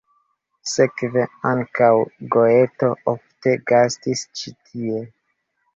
Sekve ankaŭ Goeto ofte gastis tie ĉi.